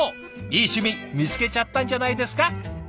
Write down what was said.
いい趣味見つけちゃったんじゃないですか？